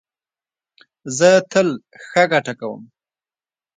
زه تل ښه ګټه کوم